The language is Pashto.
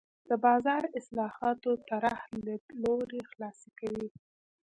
د بازار اصلاحاتو طراح لیدلوری خلاصه کوي.